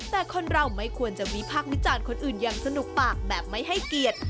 แต่คนเราไม่ควรจะวิพากษ์วิจารณ์คนอื่นอย่างสนุกปากแบบไม่ให้เกียรติ